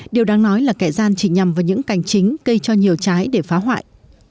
điều đáng nói là kẻ gian chỉ nhằm vào những cành chính cây cho nhiều trái để phá hoại